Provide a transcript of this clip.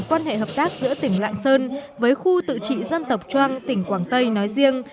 quan hệ hợp tác giữa tỉnh lạng sơn với khu tự trị dân tộc trang tỉnh quảng tây nói riêng